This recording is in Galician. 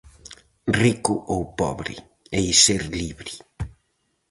Rico ou pobre, hei ser libre.